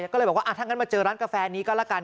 ก็เลยบอกว่าถ้างั้นมาเจอร้านกาแฟนี้ก็แล้วกัน